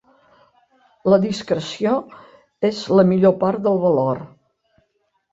La discreció és la millor part del valor.